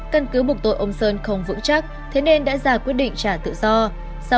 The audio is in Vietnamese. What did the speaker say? căn cứ buộc tội ông sơn không vững chắc thế nên đã ra quyết định trả tự do